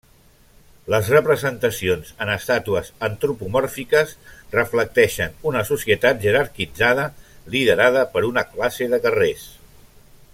Les representacions en estàtues antropomòrfiques reflecteixen una societat jerarquitzada liderada per una classe de guerrers.